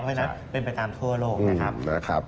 เพราะฉะนั้นเป็นไปตามทั่วโลกนะครับ